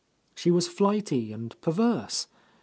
She was flighty and perverse.